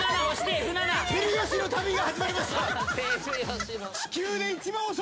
テルヨシの旅が始まりました。